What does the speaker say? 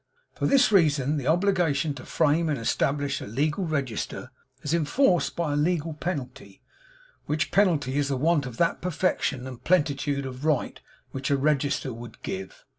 For this reason, the obligation to frame and establish a legal register is enforced by a legal penalty, which penalty is the want of that perfection and plentitude of right which a register would give.